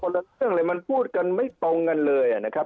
เออประลักษมติเลยมันพูดกันไม่ตรงกันเลยอ่ะนะครับ